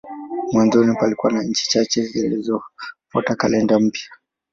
Mwanzoni palikuwa na nchi chache tu zilizofuata kalenda mpya.